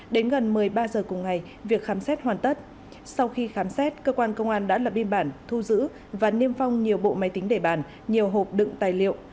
đến gần một mươi ba h cùng ngày việc khám xét hoàn tất sau khi khám xét cơ quan công an đã lập biên bản thu giữ và niêm phong nhiều bộ máy tính để bàn nhiều hộp đựng tài liệu